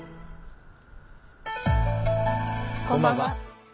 こんばんは。